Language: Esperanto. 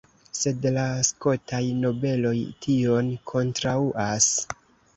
Sed la skotaj nobeloj tion kontraŭas.